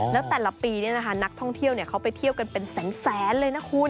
แล้วแต่ละปีนักท่องเที่ยวเขาไปเที่ยวกันเป็นแสนเลยนะคุณ